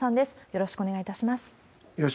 よろしくお願いします。